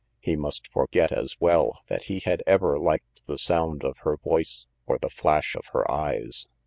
He must forget, as well, that he had ever liked the sound of her voice or the flash of her eyes.